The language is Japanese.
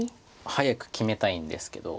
早く決めたいんですけど。